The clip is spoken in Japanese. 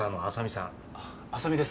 浅見です。